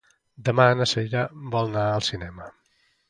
Demà na Cira vol anar al cinema.